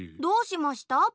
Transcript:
どうしました？